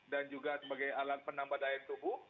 dan juga sebagai alat penambah daya tubuh